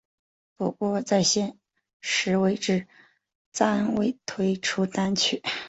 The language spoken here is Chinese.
不过在现时为止暂未推出单曲。